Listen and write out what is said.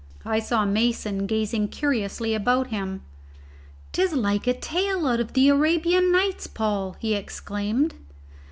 I saw Mason gazing curiously about him. "'Tis like a tale out of the Arabian Nights, Paul," he exclaimed.